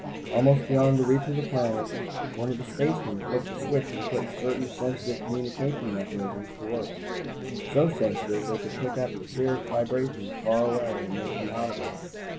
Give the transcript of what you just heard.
Almost beyond reach of the planet, one of the spacemen flipped a switch and put certain sensitive communication mechanisms to work. So sensitive, they could pick up etheric vibrations far away and make them audible.